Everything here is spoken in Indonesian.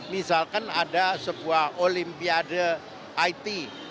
misalkan ada sebuah olimpiade it